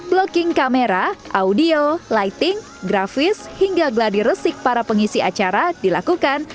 blocking kamera audio lighting grafis hingga gladi resik para pengisi acara dilakukan